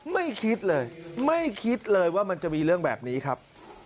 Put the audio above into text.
ไม่คิดเลยไม่คิดเลยว่ามันจะมีเรื่องแบบนี้ครับ